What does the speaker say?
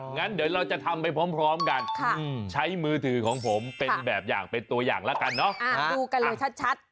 งั้นเดี๋ยวเราจะทำไปพร้อมกันใช้มือถือของผมเป็นแบบอย่างเป็นตัวอย่างแล้วกันเนอะดูกันเลยชัด